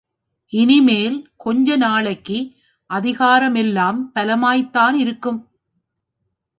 இனிமேல் கொஞ்ச நாளைக்கு அதிகாரமெல்லாம் பலமாய்த்தானிருக்கும்.